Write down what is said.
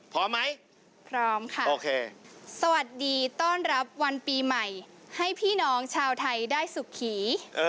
พอดีวันปีใหม่ให้พี่น้องได้สุขขี